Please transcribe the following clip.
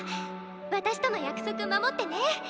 私との約束守ってね！